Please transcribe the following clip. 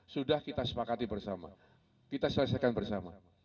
sudah kita sepakati bersama kita selesaikan bersama